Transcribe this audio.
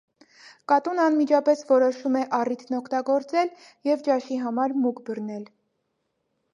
Կատուն անմիջապես որոշում է առիթն օգտագործել և ճաշի համար մուկ բռնել։